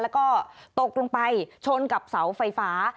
แล้วก็ตกลงไปชนกับเสาไฟฟ้า